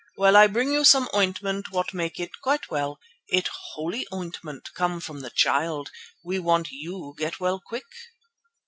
Well, I bring you some ointment what make it quite well; it holy ointment come from the Child. We want you get well quick."